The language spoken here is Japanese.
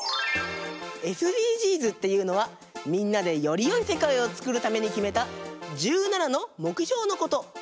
ＳＤＧｓっていうのはみんなでよりよいせかいをつくるためにきめた１７のもくひょうのこと。